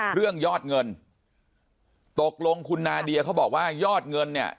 ยอดเงินตกลงคุณนาเดียเขาบอกว่ายอดเงินเนี่ย